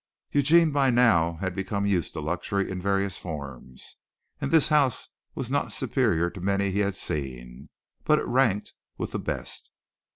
Eugene by now had become used to luxury in various forms, and this house was not superior to many he had seen; but it ranked with the best.